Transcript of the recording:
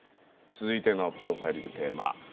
続いてのプロファイリングテーマ